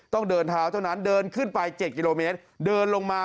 ต้องเดินเท้าเท่านั้นเดินขึ้นไป๗กิโลเมตรเดินลงมา